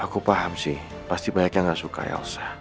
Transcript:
aku paham sih pasti banyak yang gak suka elsa